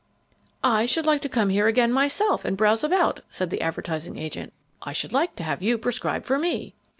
"I should like to come here again myself and browse about," said the advertising agent. "I should like to have you prescribe for me."